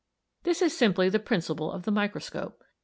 "This is simply the principle of the microscope.